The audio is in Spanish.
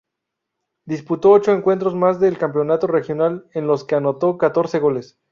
Disputó ocho encuentros más del Campeonato Regional, en los que anotó catorce goles.